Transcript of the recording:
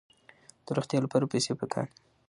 د روغتیا لپاره پیسې پکار دي.